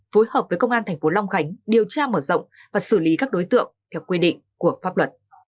phối hợp với công an thành phố long khánh điều tra mở rộng và xử lý các đối tượng theo quy định của pháp luật